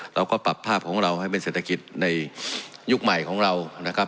เราก็ปรับภาพของเราให้เป็นเศรษฐกิจในยุคใหม่ของเรานะครับ